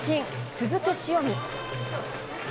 続く塩見。